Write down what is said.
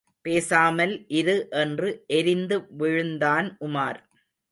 பேசாமல் இரு என்று எரிந்து விழுந்தான் உமார்.